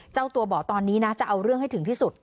เจ้าตัวบอกตอนนี้นะจะเอาเรื่องให้ถึงที่สุด